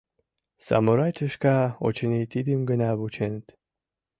Самурай тӱшка, очыни, тидым гына вученыт.